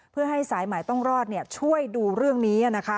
เพื่อให้สายใหม่ต้องรอดช่วยดูเรื่องนี้